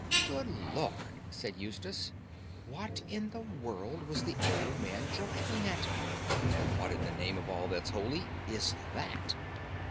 "Good Lord!" said Eustace; "what in the world was the old boy driving at? And what in the name of all that's holy is that?"